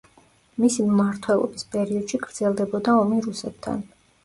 მისი მმართველობის პერიოდში გრძელდებოდა ომი რუსეთთან.